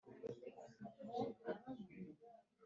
inyoni ya nijoro irashimira ababikira na dome yamababi